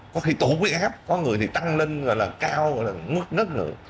có khi tổ quyết áp có người thì tăng lên rồi là cao rồi là mất nất nữa